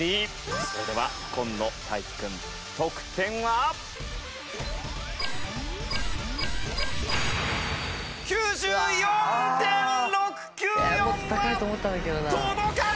それでは今野大輝くん得点は！？９４．６９４は届かず！